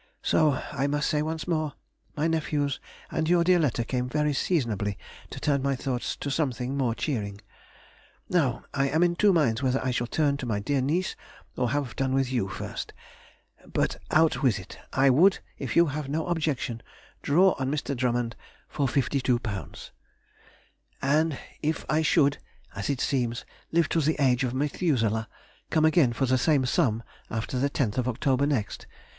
So, I must say once more, my nephew's and your dear letter came very seasonably to turn my thoughts to something more cheering.... Now I am in two minds whether I shall turn to my dear niece or have done with you first. But out with it! I would, if you have no objection, draw on Mr. Drummond for £52, and if I should (as it seems) live to the age of Methuselah, come again for the same sum after the 10th of October next.